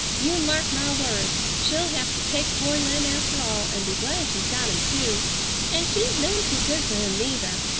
You mark my words, she'll hev to take poor Lem after all, an' be glad she's got him, too,—and she's none too good for him neither.